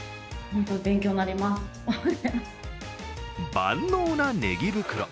万能なねぎ袋。